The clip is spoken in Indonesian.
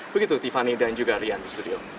begitu tiffany dan juga rian di studio